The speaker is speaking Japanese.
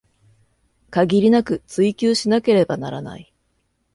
限りなく追求しなければならない